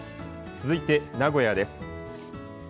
続いて名古屋です。